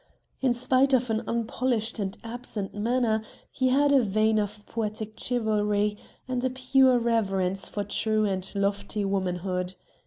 In spite of an unpolished and absent manner he had a vein of poetic chivalry and a pure reverence for true and lofty womanhood.